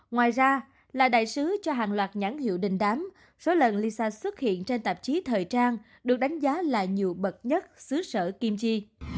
ngoài ra là đại sứ cho hàng loạt nhãn hiệu đình đám số lần lisa xuất hiện trên tạp chí thời trang được đánh giá là nhiều bậc nhất xứ sở kim chi